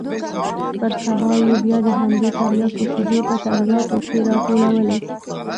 پر سبا يې بيا د همدې ترياکو شېدې په ترياكيو کښې راټولولې.